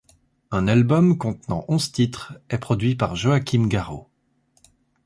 Un album contenant onze titres est produit par Joachim Garraud.